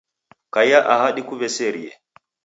Kaiya aha kudiweserie